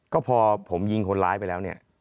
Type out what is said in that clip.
ก็พอผมยิงคนร้ายไปแล้วเนี่ย